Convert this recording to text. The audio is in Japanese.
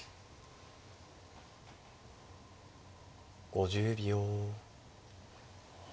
５０秒。